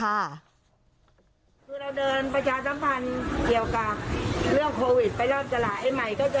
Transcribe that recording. เราเดินประชาสัมพันธ์เกี่ยวกับเรื่องโควิดไปรอบตลาด